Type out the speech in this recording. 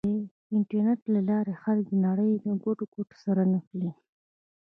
د انټرنېټ له لارې خلک د نړۍ له ګوټ ګوټ سره نښلي.